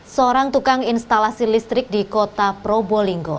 seorang tukang instalasi listrik di kota probolinggo